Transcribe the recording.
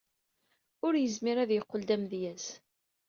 Ur yezmir ad yeqqel d amedyaz.